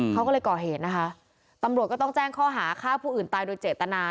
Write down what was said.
เขาก็เลยก่อเหตุนะคะตำรวจก็ต้องแจ้งข้อหาฆ่าผู้อื่นตายโดยเจตนา